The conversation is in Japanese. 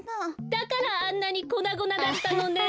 だからあんなにこなごなだったのね。